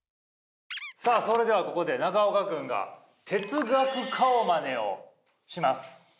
さあそれではここで中岡くんが哲学顔マネをします。